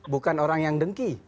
bukan orang yang dengki